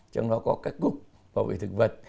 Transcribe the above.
trong đó có các cục bảo vệ thực vật